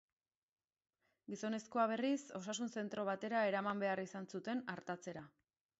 Gizonezkoa, berriz, osasun zentro batera eraman behar izan zuten artatzera.